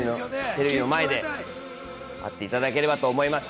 テレビの前で会っていただければと思います。